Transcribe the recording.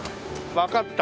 わかった。